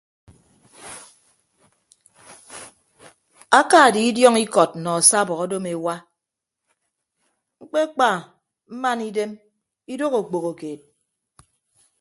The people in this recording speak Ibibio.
Aka die idiọñ ikọt nọ asabọ odom ewa ñkpekpa mmana idem idooho okpoho keed.